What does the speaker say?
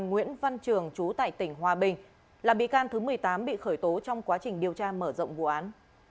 nguyễn văn trường chú tại tỉnh hòa bình là bị can thứ một mươi tám bị khởi tố trong quá trình điều tra mở rộng vụ án